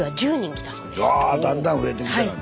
ああだんだん増えてきたやん。